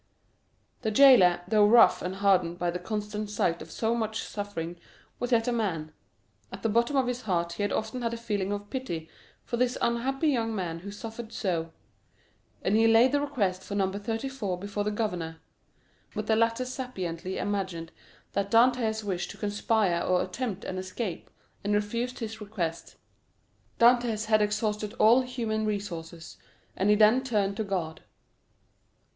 The jailer, though rough and hardened by the constant sight of so much suffering, was yet a man. At the bottom of his heart he had often had a feeling of pity for this unhappy young man who suffered so; and he laid the request of number 34 before the governor; but the latter sapiently imagined that Dantès wished to conspire or attempt an escape, and refused his request. Dantès had exhausted all human resources, and he then turned to God.